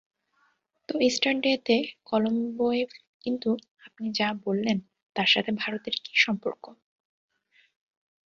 তো ইস্টার ডে-তে কলোম্বোয় কিন্তু আপনি যা বললেন তার সাথে ভারতের কী সম্পর্ক?